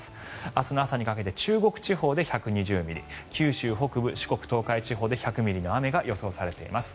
明日の朝にかけて中国地方で１２０ミリ九州北部、四国、東海地方で１００ミリの雨が予想されています。